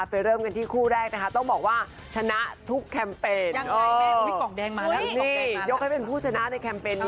เริ่มกันที่คู่แรกนะคะต้องบอกว่าชนะทุกแคมเปญยังไง